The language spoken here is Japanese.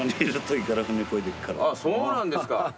そうなんですか。